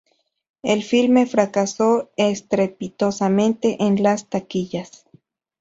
El filme fracasó estrepitosamente en las taquillas.